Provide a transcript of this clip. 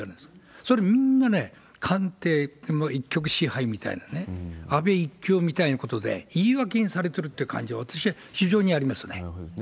それ、みんなね、官邸、もう一極支配みたいなね、安倍一強みたいなことで、言い訳にされてるって感じ、私は非常にありますね。